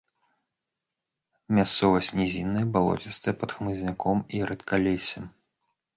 Мясцовасць нізінная, балоцістая, пад хмызняком і рэдкалессем.